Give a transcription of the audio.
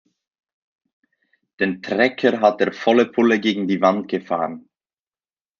Den Trecker hat er volle Pulle gegen die Wand gefahren.